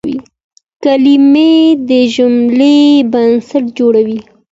کلیمه د جملې بنسټ جوړوي.